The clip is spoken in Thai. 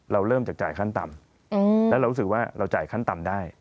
เริ่มจากจ่ายขั้นต่ำแล้วเรารู้สึกว่าเราจ่ายขั้นต่ำได้